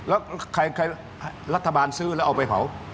แล้วใครรัฐบาลซื้อแล้วเอาไปเผา